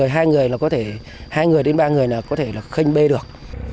hai người đến ba người là có thể khênh bê được